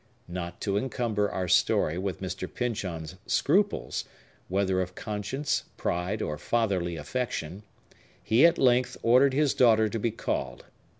Not to encumber our story with Mr. Pyncheon's scruples, whether of conscience, pride, or fatherly affection, he at length ordered his daughter to be called.